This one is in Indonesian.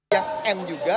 yang m juga